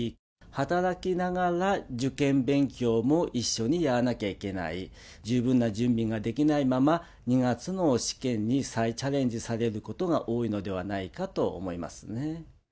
働きながら、受験勉強も一緒にやらなきゃいけない、十分な準備ができないまま、２月の試験に再チャレンジされることが多いのではないかと思いますね。